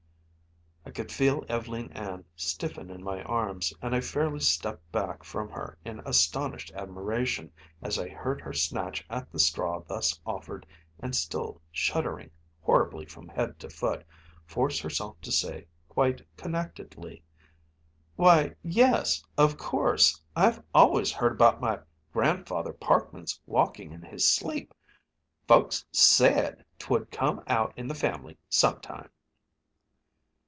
I could feel Ev'leen Ann stiffen in my arms, and I fairly stepped back from her in astonished admiration as I heard her snatch at the straw thus offered, and still shuddering horribly from head to foot, force herself to say quite connectedly: "Why yes of course I've always heard about my grandfather Parkman's walking in his sleep. Folks said 'twould come out in the family some time."